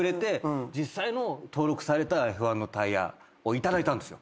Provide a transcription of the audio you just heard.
実際の登録されたＦ１のタイヤを頂いたんですよ。